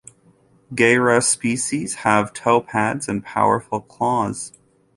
"Gehyra" species have toepads and powerful claws.